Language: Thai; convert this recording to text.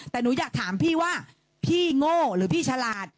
แต่หนูอยากถามพี่ว่าพี่โง่หรือพี่ฉลาด